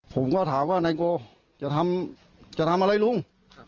ผมก็ถามว่านายโกจะทำอะไรลุง